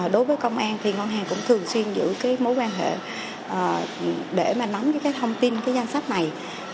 đối với công an thì ngân hàng cũng thường xuyên giữ cái mối quan hệ để mà nắm cái thông tin cái danh sách này